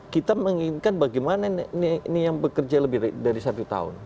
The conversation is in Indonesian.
kita menginginkan bagaimana ini yang bekerja lebih dari satu tahun